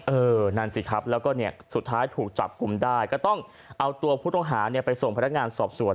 นั่นสิครับแล้วก็เนี่ยสุดท้ายถูกจับกลุ่มได้ก็ต้องเอาตัวผู้ต้องหาไปส่งพนักงานสอบสวน